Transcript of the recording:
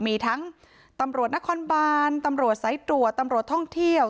มีทั้งตำรวจนครบานตำรวจสายตรวจตำรวจท่องเที่ยว